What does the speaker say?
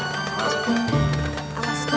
apa sih pelan pelan